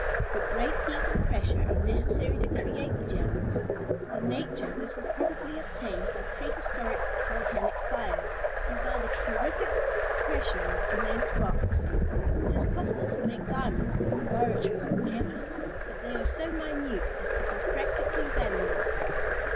"But great heat and pressure are necessary to create the gems. In nature this was probably obtained by prehistoric volcanic fires, and by the terrific pressure of immense rocks. It is possible to make diamonds in the laboratory of the chemist, but they are so minute as to be practically valueless.